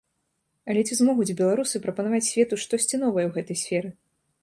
Але ці змогуць беларусы прапанаваць свету штосьці новае ў гэтай сферы?